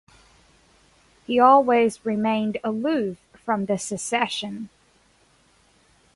He always remained aloof from the Secession.